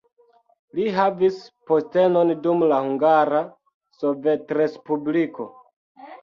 Li havis postenon dum la Hungara Sovetrespubliko.